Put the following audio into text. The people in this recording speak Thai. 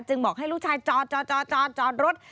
บอกให้ลูกชายจอดรถ